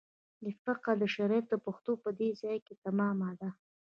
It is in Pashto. د فقه شریعت پښتو په دې ځای کې تمامه ده.